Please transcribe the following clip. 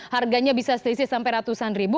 harganya bisa selisih sampai ratusan ribu